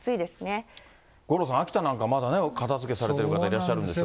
五郎さん、秋田なんかまだね、片づけされてる方いらっしゃるんでしょ。